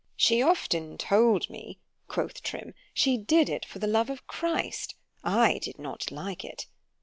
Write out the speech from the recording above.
——She often told me, quoth Trim, she did it for the love of Christ—I did not like it.